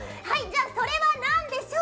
それは何でしょう？